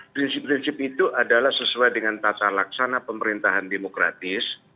prinsip prinsip itu adalah sesuai dengan tata laksana pemerintahan demokratis